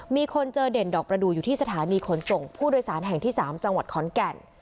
มีคนเจอเด่นดอกประดูกอยู่ที่สถานีขนส่งผู้โดยสารแห่งที่๓จังหวัดขอนแก่น